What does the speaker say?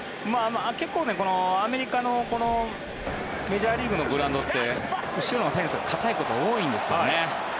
結構アメリカのメジャーリーグのグラウンドって後ろのフェンスが硬いことが多いんですよね。